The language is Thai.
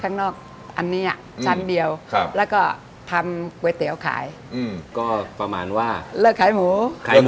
ตั้งแต่เปิดร้านเนี่ยเกิดขึ้นได้อย่างไรครับ